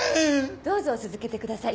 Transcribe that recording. どうぞ続けてください。